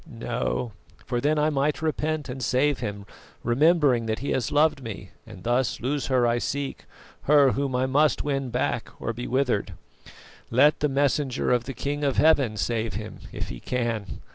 No; for then I might repent and save him, remembering that he has loved me, and thus lose her I seek, her whom I must win back or be withered. Let the messenger of the King of Heaven save him, if he can.